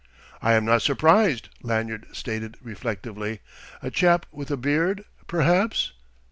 "I am not surprised," Lanyard stated reflectively. "A chap with a beard, perhaps?"